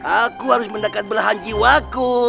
aku harus mendekat belahan jiwaku